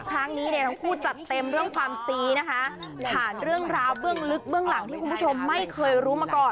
ครั้งนี้เนี่ยทั้งคู่จัดเต็มเรื่องความซีนะคะผ่านเรื่องราวเบื้องลึกเบื้องหลังที่คุณผู้ชมไม่เคยรู้มาก่อน